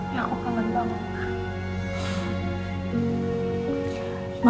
ya aku kangen banget ma